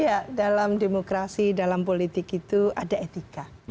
iya dalam demokrasi dalam politik itu ada etika